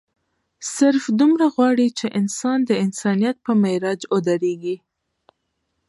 صرف دومره غواړي چې انسان د انسانيت پۀ معراج اودريږي